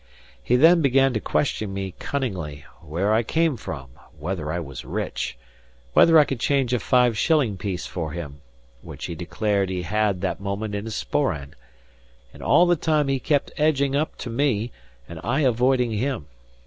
He then began to question me cunningly, where I came from, whether I was rich, whether I could change a five shilling piece for him (which he declared he had that moment in his sporran), and all the time he kept edging up to me and I avoiding him.